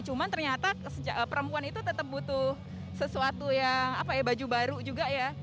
cuman ternyata perempuan itu tetap butuh sesuatu yang apa ya baju baru juga ya